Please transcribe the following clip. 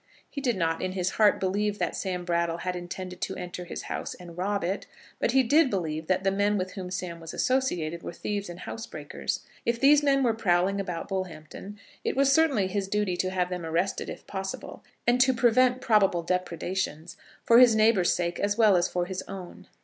He did not in his heart believe that Sam Brattle had intended to enter his house and rob it; but he did believe that the men with whom Sam was associated were thieves and housebreakers. If these men were prowling about Bullhampton it was certainly his duty to have them arrested if possible, and to prevent probable depredations, for his neighbours' sake as well as for his own.